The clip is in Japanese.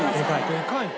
でかいの。